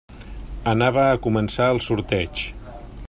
Anava a començar el sorteig.